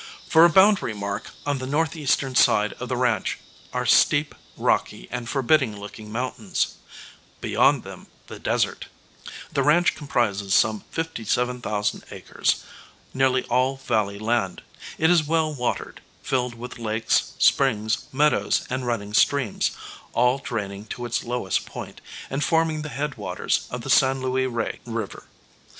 For a boundary mark on the northeastern side of the ranch, are steep, rocky and forbidding looking mountains. Beyond them, the desert. The ranch comprises some 57,000 acres, nearly all valley land. It is well watered, filled with lakes, springs, meadows and running streams, all draining to its lowest point, and forming the head waters of the San Luis Rey River.